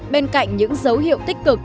bên cạnh những dấu hiệu tích cực